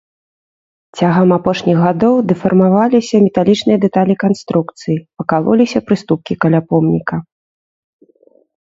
Цягам апошніх гадоў дэфармаваліся металічныя дэталі канструкцыі, пакалоліся прыступкі каля помніка.